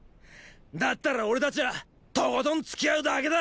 だったら俺たちはとことんつきあうだけだ！！